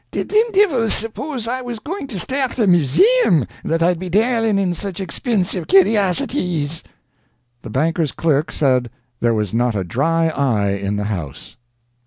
Did thim divils suppose I was goin' to stairt a Museim, that I'd be dalin' in such expinsive curiassities!" The banker's clerk said there was not a dry eye in the house.